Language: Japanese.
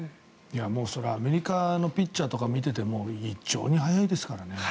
それはアメリカのピッチャーとか見てても非常に速いですからね。